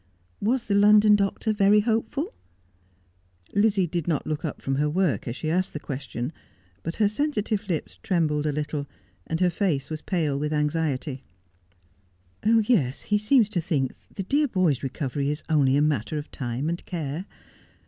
Was the London doctor very hopeful 1 ' Lizzie did not look up from her work as she asked the question, but her sensitive lips trembled a little, and her face was pale with anxiety. 'Yes, he seems to think the dear boy's recovery is onlv a matter of time and care.